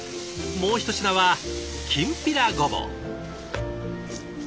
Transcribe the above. もうひと品はきんぴらごぼう。